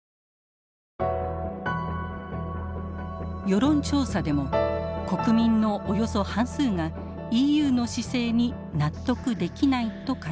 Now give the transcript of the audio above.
世論調査でも国民のおよそ半数がＥＵの姿勢に納得できないと回答。